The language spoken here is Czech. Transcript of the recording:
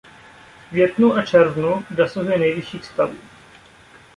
V květnu a v červnu dosahuje nejvyšších stavů.